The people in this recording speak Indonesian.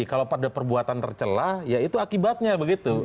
kalau pada perbuatan tercelah ya itu akibatnya begitu